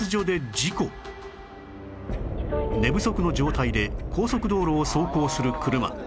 寝不足の状態で高速道路を走行する車